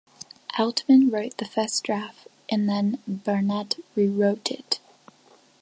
Altman wrote the first draft and then Burnett rewrote it.